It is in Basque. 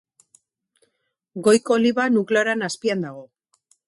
Goiko oliba nukleoaren azpian dago.